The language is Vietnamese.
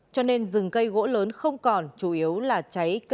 cho nên rừng cây gỗ lớn không còn chủ yếu là cháy cây bổi lau thực bì